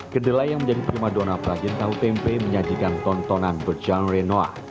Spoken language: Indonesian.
kendelai yang menjadi primadona prajenta hutempe menyajikan tontonan bergenre noir